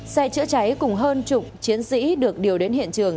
xe chữa cháy cùng hơn chục chiến sĩ được điều đến hiện trường